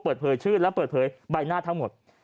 เปิดเผยชื่อและเปิดเผยใบหน้าทั้งหมด